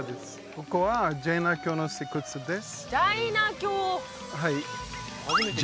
ここはジャイナ教の石窟です